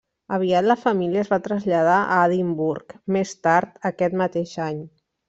Aviat la família es va traslladar a Edimburg més tard aquest mateix any.